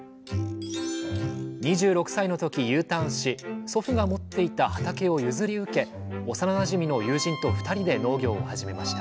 ２６歳の時Ｕターンし祖父が持っていた畑を譲り受け幼なじみの友人と２人で農業を始めました